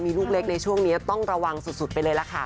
มีลูกเล็กในช่วงนี้ต้องระวังสุดไปเลยล่ะค่ะ